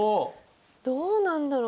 どうなんだろう？